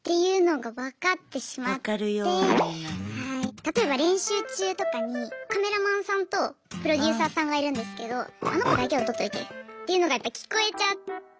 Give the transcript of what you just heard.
例えば練習中とかにカメラマンさんとプロデューサーさんがいるんですけどあの子だけを撮っといてっていうのがやっぱ聞こえちゃって。